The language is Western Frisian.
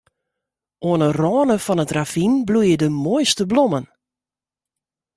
Oan 'e râne fan it ravyn bloeie de moaiste blommen.